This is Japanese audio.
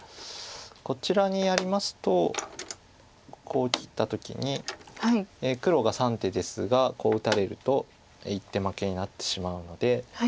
こちらにやりますとここを切った時に黒が３手ですがこう打たれると１手負けになってしまうので。